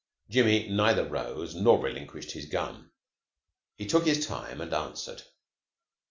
Jimmy neither rose nor relinquished his gum. He took his time and answered.